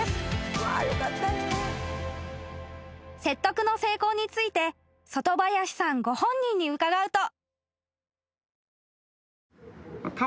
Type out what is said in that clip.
［説得の成功について外林さんご本人に伺うと］